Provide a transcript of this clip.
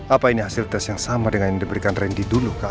apa ini hasil tas yang sama dengan yang diberikan randy dulu ke aku